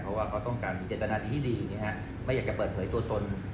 เพราะว่าเขาต้องการมีเจตนาที่ดีไม่อยากจะเปิดเผยตัวตน